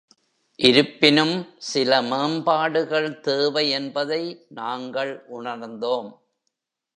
இருப்பினும், சில மேம்பாடுகள் தேவை என்பதை நாங்கள் உணர்ந்தோம்.